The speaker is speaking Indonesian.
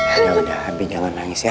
udah udah abi jangan nangis ya